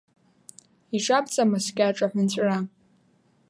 Иҿабҵама скьаҿ аҳәынҵәра?